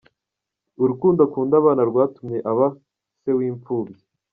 Urukundo akunda abana rwatumye aba se w’imfubyi.